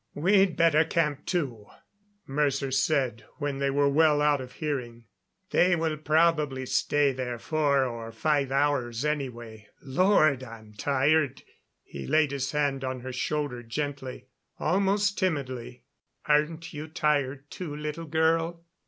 "We'd better camp, too," Mercer said when they were well out of hearing. "They will probably stay there four or five hours, anyway. Lord, I'm tired." He laid his hand on her shoulder gently, almost timidly. "Aren't you tired, too, little girl?"